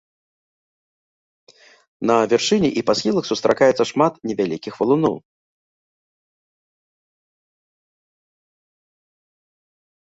На вяршыні і па схілах сустракаецца шмат невялікіх валуноў.